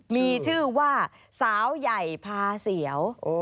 มีชื่อว่าสาวใหญ่พาเสียว